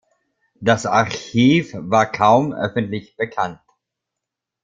Das Archiv war kaum öffentlich bekannt.